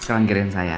sekarang kirim saya